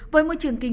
với môi trường kinh tế